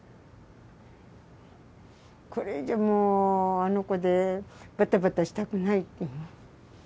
これ以上もうあの子でバタバタしたくない。